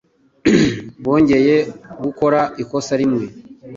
Bongeye gukora ikosa rimwe.